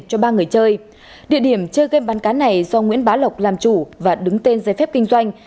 cho ba người chơi địa điểm chơi gam bán cá này do nguyễn bá lộc làm chủ và đứng tên giấy phép kinh doanh